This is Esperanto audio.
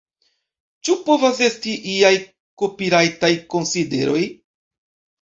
Ĉu povas esti iaj kopirajtaj konsideroj?